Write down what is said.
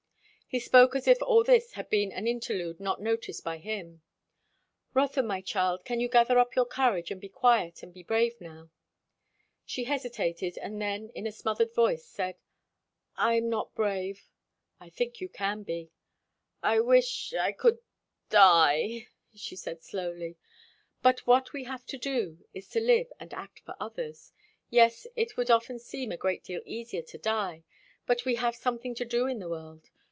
He spoke as if all this had been an interlude not noticed by him. "Rotha, my child, can you gather up your courage and be quiet and be brave now?" She hesitated, and then in a smothered voice said, "I'm not brave." "I think you can be." "I wish I could die," she said slowly. "But what we have to do, is to live and act for others. Yes, it would often seem a great deal easier to die; but we have something to do in the world.